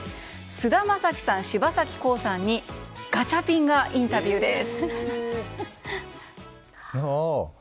菅田将暉さん、柴咲コウさんにガチャピンがインタビューです。